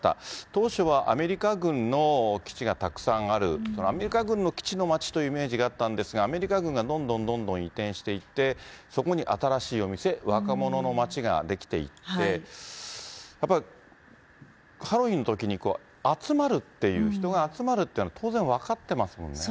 当初はアメリカ軍の基地がたくさんある、アメリカ軍の基地の街というイメージがあったんですが、アメリカ軍がどんどんどんどん移転していって、そこに新しいお店、若者の街が出来ていって、やっぱりハロウィーンのときに集まるっていう、人が集まるっていうの当然分かってますもんね。